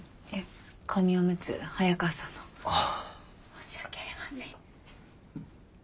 申し訳ありません。